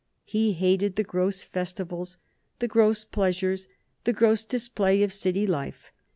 He hated the gross festivals, the gross pleasures, the gross display of City life.